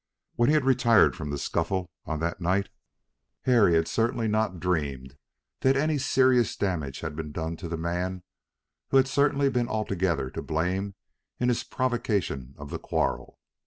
When he had retired from the scuffle on that night, Harry had certainly not dreamed that any serious damage had been done to the man who had certainly been altogether to blame in his provocation of the quarrel.